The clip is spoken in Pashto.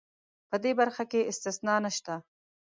په دې برخه کې استثنا نشته.